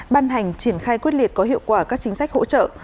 ban hành triển khai quyết liệt có hiệu quả các chính sách hỗ trợ